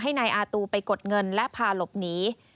นายอาตูไปกดเงินและพาหลบหนี